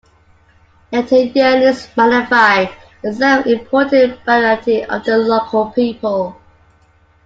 Yet her yearnings magnify the self-important banality of the local people.